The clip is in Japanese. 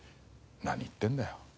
「何言ってるんだよ」